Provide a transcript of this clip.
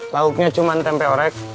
lauknya cuma tempe orek